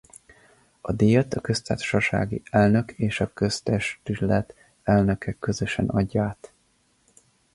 A díjat a köztársasági elnök és a köztestület elnöke közösen adja át.